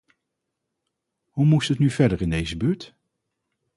Hoe moest het nu verder in deze buurt?